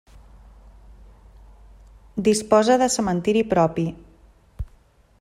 Disposa de cementiri propi.